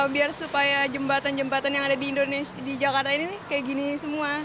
biar supaya jembatan jembatan yang ada di jakarta ini kayak gini semua